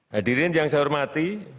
hadirin yang saya hormati